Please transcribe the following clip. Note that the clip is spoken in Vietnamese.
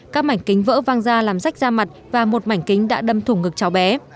các mảnh kính vỡ văng ra làm rách da mặt và một mảnh kính đã đâm thủng ngực cháu bé